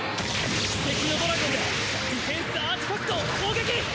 輝石のドラゴンでディフェンスアーティファクトを攻撃！